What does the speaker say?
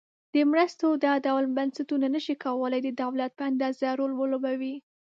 د مرستو دا ډول بنسټونه نشي کولای د دولت په اندازه رول ولوبوي.